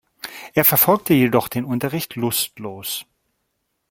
Er verfolgte jedoch den Unterricht lustlos.